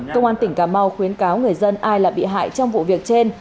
công an tỉnh cà mau khuyến cáo người dân ai là bị hại trong vụ việc trên